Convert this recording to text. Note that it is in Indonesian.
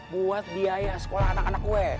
buat biaya sekolah anak anak gue